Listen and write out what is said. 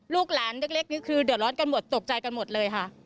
ลูกหลานเล็กนี่คือเดือดร้อนกันหมดตกใจกันหมดเลยค่ะ